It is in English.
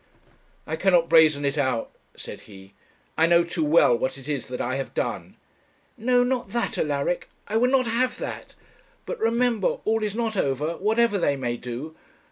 'I cannot brazen it out,' said he. 'I know too well what it is that I have done.' 'No, not that, Alaric; I would not have that. But remember, all is not over, whatever they may do.